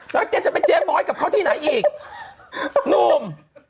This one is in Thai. แล้วแกจะไปเจ๊ม้อยกับเขาที่ไหนอีกหนุ่ม